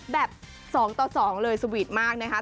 แบบสองต่อสองเลยสวีตมากนะคะ